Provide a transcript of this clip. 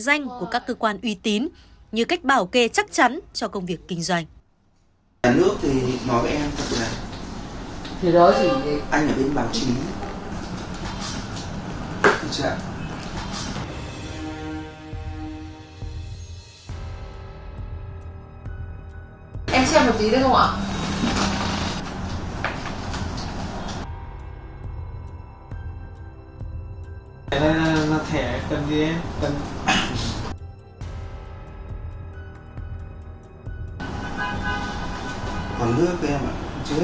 danh của các cơ quan uy tín như cách bảo kê chắc chắn cho công việc kinh doanh ở nước thì nói em